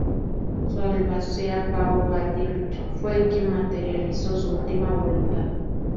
Su albacea Pau Baldrich fue quien materializó su última voluntad.